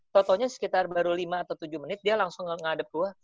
totonya sekitar baru lima atau tujuh menit dia langsung ngadep gue